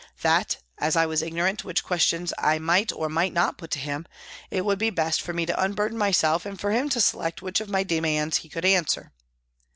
That, as I was ignorant which questions I might or might not put to him, it would be best for me to unburden myself and for him to select which of my demands he could answer.